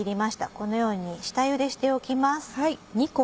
このように下ゆでしておきます。